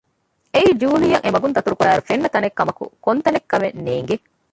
އެއީ ޖޫލީއަށް އެމަގުން ދަތުރުކުރާ އިރު ފެންނަ ތަނެއްކަމަކު ކޮންތަނެއް ކަމެއް ނޭގެ